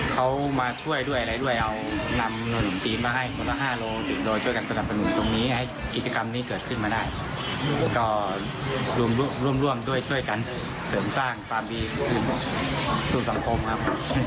ก็ร่วมร่วมด้วยช่วยกันเสริมสร้างความดีสู่สังคมครับ